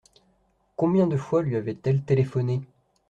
Combien de fois lui avaient-elles téléphoné ?